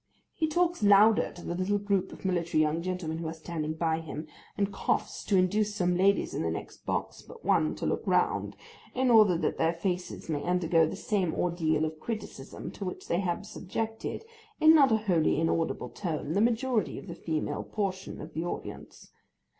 He talks louder to the little group of military young gentlemen who are standing by him, and coughs to induce some ladies in the next box but one to look round, in order that their faces may undergo the same ordeal of criticism to which they have subjected, in not a wholly inaudible tone, the majority of the female portion of the audience.